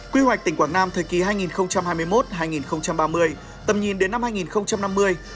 quy hoạch tỉnh quảng nam thời kỳ hai nghìn hai mươi một hai nghìn ba mươi tầm nhìn đến năm hai nghìn năm mươi